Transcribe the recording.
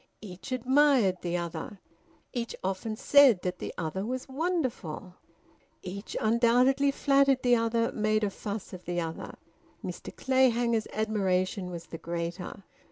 Each admired the other. Each often said that the other was `wonderful.' Each undoubtedly flattered the other, made a fuss of the other. Mr Clayhanger's admiration was the greater.